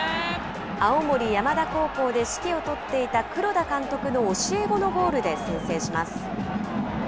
青森山田高校で指揮を執っていた黒田監督の教え子のゴールで先制します。